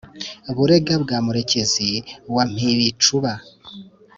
burega bwa murekezi wa mpibicuba